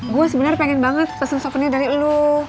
gue sebenernya pengen banget pesen souvenir dari lu